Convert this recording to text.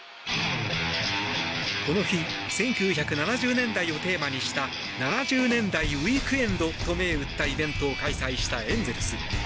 この日１９７０年代をテーマにした７０年代ウィークエンドと銘打ったイベントを開催したエンゼルス。